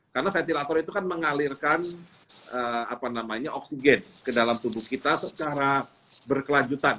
karena ventilator itu kan mengalirkan oksigen ke dalam tubuh kita secara berkelanjutan